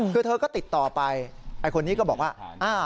คือเธอก็ติดต่อไปไอ้คนนี้ก็บอกว่า